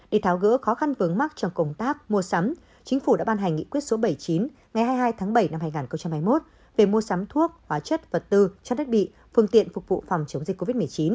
để tháo gỡ khó khăn vướng mắt trong công tác mua sắm chính phủ đã ban hành nghị quyết số bảy mươi chín ngày hai mươi hai tháng bảy năm hai nghìn hai mươi một về mua sắm thuốc hóa chất vật tư chất đất bị phương tiện phục vụ phòng chống dịch covid một mươi chín